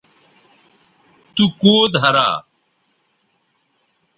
تو کوؤ دھرا